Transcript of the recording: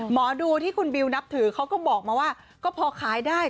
หมอดูที่คุณบิวนับถือเขาก็บอกมาว่าก็พอขายได้